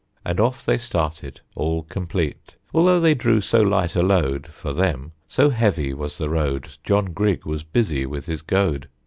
And off they started, all complete. Although they drew so light a load (For them!) so heavy was the road, John Grigg was busy with his goad.